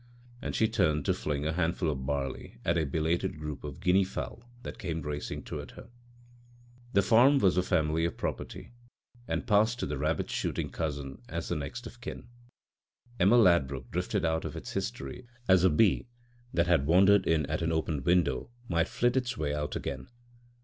And she turned to fling a handful of barley at a belated group of guinea fowl that came racing toward her.*The farm was a family property, and passed to the rabbit shooting cousin as the next of kin. Emma Ladbruk drifted out of its history as a bee that had wandered in at an open window might flit its way out again.